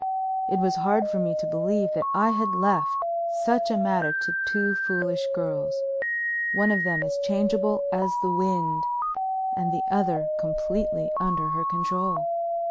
It was hard for me to believe that I had left such a matter to two foolish girls, one of them as changeable as the wind, and the other completely under her control.